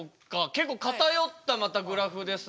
結構片寄ったまたグラフですが。